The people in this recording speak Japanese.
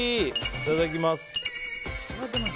いただきます。